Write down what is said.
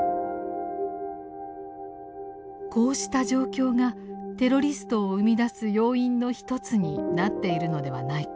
こうした状況がテロリストを生み出す要因の一つになっているのではないか。